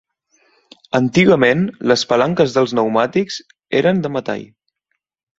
Antigament, les palanques dels pneumàtics eren de metall.